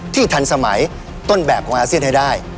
ทันสมัยต้นแบบของอาเซียนให้ได้